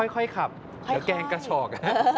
ค่อยขับเดี๋ยวแกงกระฉอก